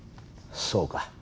そうか。